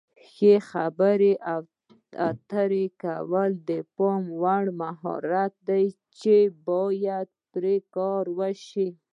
ښې خبرې اترې کول د پام وړ مهارت دی چې باید پرې کار وشي.